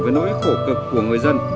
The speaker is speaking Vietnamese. với nỗi khổ cực của người dân